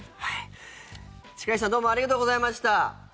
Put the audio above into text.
力石さんどうもありがとうございました。